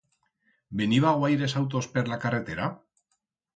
Veniba guaires autos per la carretera?